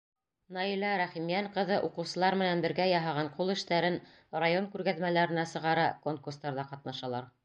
Наилә Рәхимйән ҡыҙы уҡыусылар менән бергә яһаған ҡул эштәрен район күргәҙмәләренә сығара, конкурстарҙа ҡатнашалар.